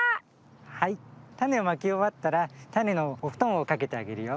はいたねをまきおわったらたねのおふとんをかけてあげるよ。